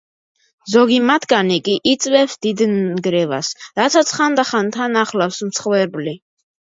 ზოგი მათგანი კი იწვევს დიდ ნგრევას, რასაც ხანდახან თან ახლავს მსხვერპლი.